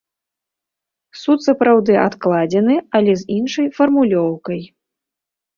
Суд сапраўды адкладзены, але з іншай фармулёўкай.